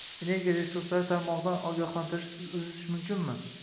Energiya resurslari tarmog’idan ogohlantirishsiz uzish mumkinmi?